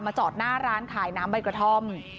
จอดหน้าร้านขายน้ำใบกระท่อม